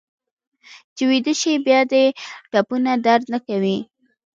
چې ویده شې بیا دې ټپونه درد نه کوي.